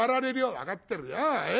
「分かってるよ。